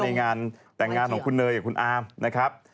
ในงานแต่งงานของคุณเนยกับคุณอามนะครับ